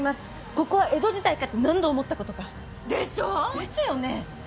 ここは江戸時代かって何度思ったことか！でしょ？ですよね？